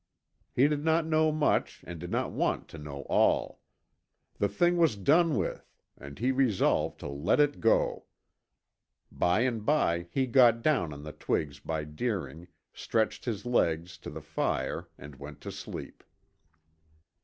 He did not know much and did not want to know all. The thing was done with and he resolved to let it go. By and by he got down on the twigs by Deering, stretched his legs to the fire and went to sleep.